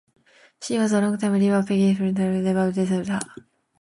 She was a long-time rival of Peggy Fleming, but never defeated her.